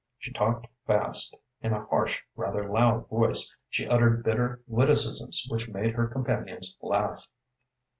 She talked fast, in a harsh, rather loud voice. She uttered bitter witticisms which made her companions laugh.